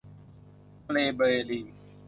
ทะเลเบริง